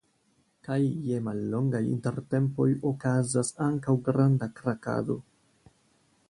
Kaj je mallongaj intertempoj okazas ankaŭ granda krakado.